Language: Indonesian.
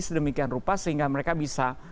sedemikian rupa sehingga mereka bisa